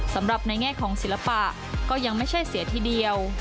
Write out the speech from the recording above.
สำหรับในแง่ของศิลปะก็ยังไม่ใช่เสียทีเดียว